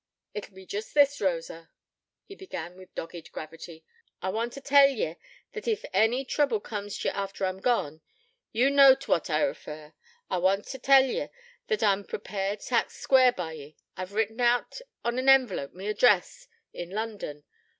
'It be jest this, Rosa,' he began with dogged gravity. 'I want t' tell ye that ef any trouble comes t'ye after I'm gone ye know t' what I refer I want t' tell ye that I'm prepared t' act square by ye. I've written out on an envelope my address in London.